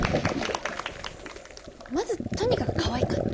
まずとにかくかわいかった。